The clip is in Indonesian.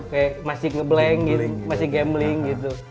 kayak masih ngeblank gitu masih gambling gitu